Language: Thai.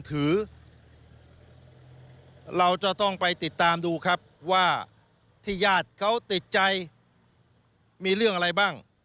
ถือเราจะต้องไปติดตามดูครับว่าที่ญาติเขาติดใจมีเรื่องอะไรบ้าง